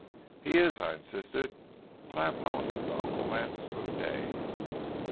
"He is," I insisted, "but I have loaned him to Uncle Lance for the day."